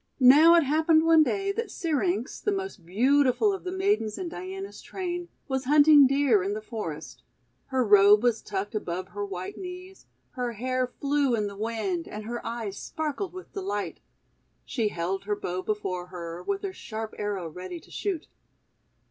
Now it happened one day that Syrinx, the most beautiful of the maidens in Diana's train, was hunting Deer hi the Forest. Her robe was tucked above her white knees, her hair flew in the wind, and her eyes sparkled with delight. She held her bow before her, with her sharp arrow ready to shoot.